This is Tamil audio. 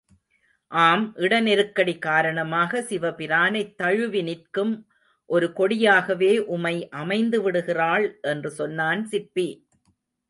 ஆம், இட நெருக்கடி காரணமாக சிவபிரானைத் தழுவி நிற்கும் ஒரு கொடியாகவே உமை அமைந்துவிடுகிறாள் என்று சொன்னான் சிற்பி!